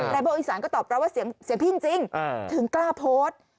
โบอีสานก็ตอบแล้วว่าเสียงพี่จริงถึงกล้าโพสต์